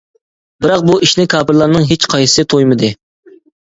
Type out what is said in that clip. بىراق بۇ ئىشنى كاپىرلارنىڭ ھېچ قايسىسى تۇيمىدى.